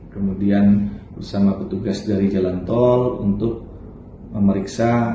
kemudian bersama petugas dari jalan tol untuk memeriksa